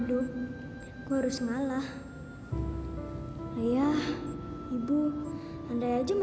tuh tanya oma mau pinjam